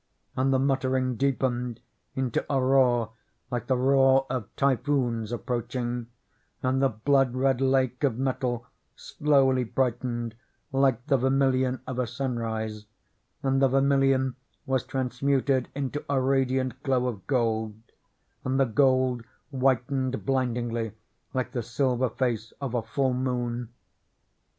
And the muttering deepened into a roar like the roar of typhoons approaching, and the blood red lake of metal slowly brightened like the ver milion of a sunrise, and the vermilion was transmuted into a radiant glow of gold, and the gold whitened blind ingly, like the silver face of a full moon.